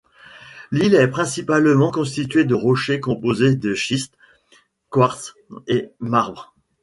L'île est principalement constituée de rochers composés de schiste, quartz et marbre.